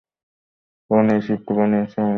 কারণ, এই শিপটা বানিয়েছি আমি!